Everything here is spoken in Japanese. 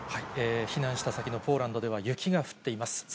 避難した先のポーランドでは、雪が降っています。